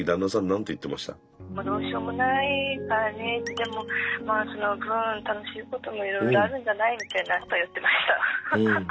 「でもそのぶん楽しいこともいろいろあるんじゃない？」みたいなことを言ってました。